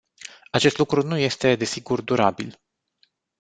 Acest lucru nu este, desigur, durabil.